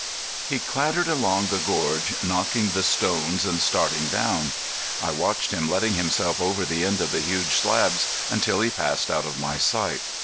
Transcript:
He clattered along the gorge knocking the stones and started down. I watched him letting himself over the end of the huge slabs until he passed out of my sight.